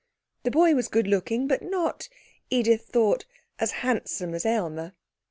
The boy was good looking, but not, Edith thought, as handsome as Aylmer.